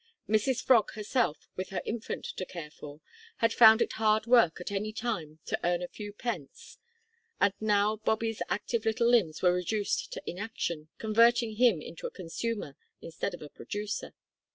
Mrs Frog herself with her infant to care for, had found it hard work at any time to earn a few pence, and now Bobby's active little limbs were reduced to inaction, converting him into a consumer instead of a producer.